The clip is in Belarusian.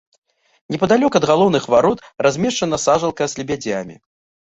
Непадалёк ад галоўных варот размешчана сажалка з лебедзямі.